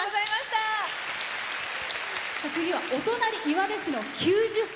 次はお隣、岩出市の９０歳。